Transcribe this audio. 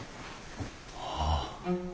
はあ